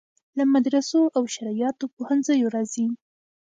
له مدرسو او شرعیاتو پوهنځیو راځي.